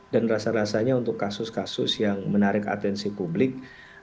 dan rasa rasanya untuk kasus kasus yang menarik atensi publik